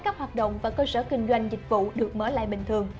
các hoạt động và cơ sở kinh doanh dịch vụ được mở lại bình thường